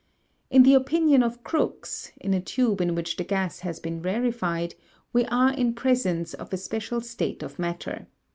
In the opinion of Crookes, in a tube in which the gas has been rarefied we are in presence of a special state of matter.